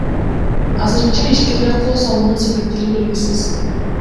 Азырынча ишкерге кол салуунун себептери белгисиз.